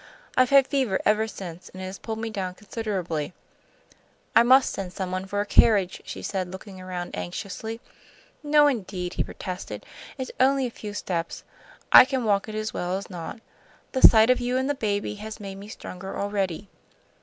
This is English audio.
I've had fever ever since, and it has pulled me down considerably." "I must send somebody for a carriage," she said, looking around anxiously. "No, indeed," he protested. "It's only a few steps; I can walk it as well as not. The sight of you and the baby has made me stronger already."